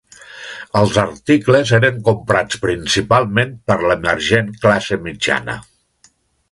Els articles eren comprats principalment per l'emergent classe mitjana.